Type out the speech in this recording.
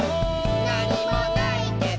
「なにもないけど」